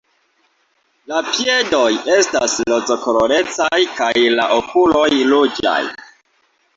La piedoj estas rozkolorecaj kaj la okuloj ruĝaj.